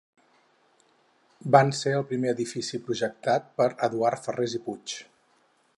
Van ser el primer edifici projectat per Eduard Ferres i Puig.